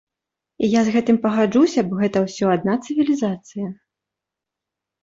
І я з гэтым пагаджуся, бо гэта ўсё адна цывілізацыя.